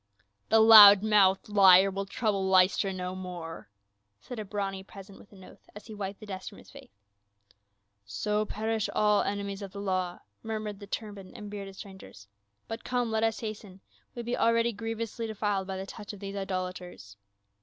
"The loud mouthed liar will trouble Lystra no more !" said a brawny peasant with an oath, as he wiped the dust from his face. "So perish all enemies of the law !" murmured the turbaned and bearded strangers. " But come, let us hasten, we be already grievously defiled by the touch of these idolaters."